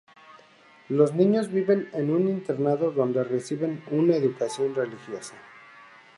Los niños viven en un internado donde reciben una educación religiosa.